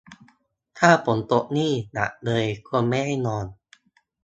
ถ้าฝนตกนี่หนักเลยคงไม่ได้นอน